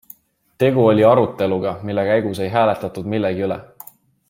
Tegu oli aruteluga, mille käigus ei hääletatud millegi üle.